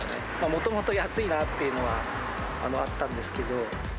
もともと安いなっていうのはあったんですけど。